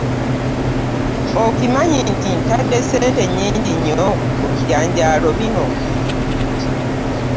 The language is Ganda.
Okimanyi nti ntade ssente nnnnyingi nnyo mu bijanjalo bino.